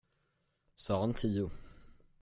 Sa han tio?